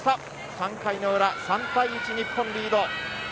３回の裏、３対１日本リード。